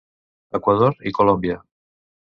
Equador i Colòmbia.